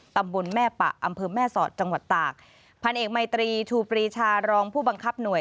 ตำบลแม่ปะอำเภอแม่สอดจังหวัดตากพันเอกมัยตรีคูปรีชารองผู้บังคับหน่วย